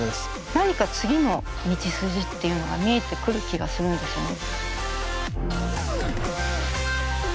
何か次の道筋っていうのが見えてくる気がするんですよね。